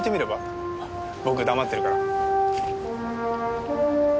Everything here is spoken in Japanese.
僕黙ってるから。